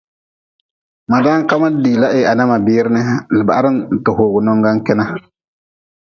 Ma dan ka madi diila heha na ma biir ni le bahrn ti hogu nongan kena.